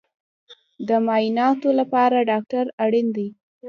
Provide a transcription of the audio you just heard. د معایناتو لپاره ډاکټر اړین دی